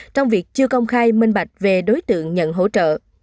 trong việc chưa công khai minh bạch về đối tượng nhận hỗ trợ